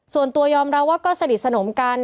ส่วนตัวยอมรับว่าก็สนิทสนมกัน